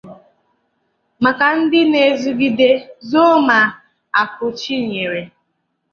Maka ndị na-ezugide zuo ma mmanụ akụ chi nyere